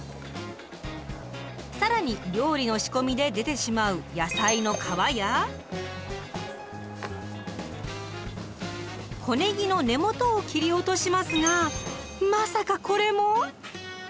更に料理の仕込みで出てしまう小ねぎの根元を切り落としますがまさかこれも⁉